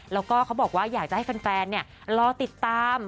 แล้วก็เขาบอกว่าอยากจะให้แฟนรอติดตาม